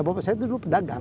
bapak saya dulu pedagang